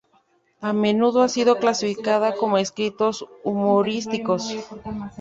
A menudo ha sido clasificado como escritos humorísticos.